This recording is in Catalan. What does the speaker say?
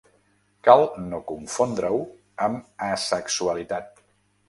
Cal no confondre-ho amb asexualitat.